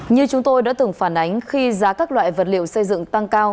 như chúng tôi đã từng phản ánh khi giá các loại vật liệu xây dựng tăng cao